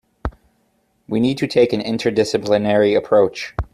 We need to take an interdisciplinary approach.